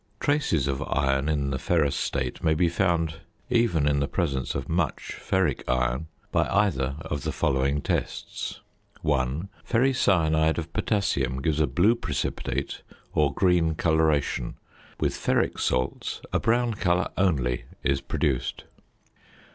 Traces of iron in the ferrous state may be found (even in the presence of much ferric iron) by either of the following tests: 1. Ferricyanide of potassium gives a blue precipitate or green coloration; with ferric salts a brown colour only is produced.